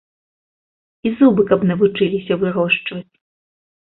І зубы каб навучыліся вырошчваць.